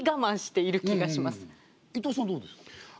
伊藤さんはどうですか？